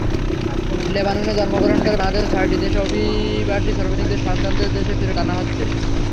লেবাননে জন্মগ্রহণকারী বাংলাদেশসহ ছয়টি দেশের অভিবাসী শ্রমিকদের সন্তানদের দেশে ফেরত পাঠানো হচ্ছে।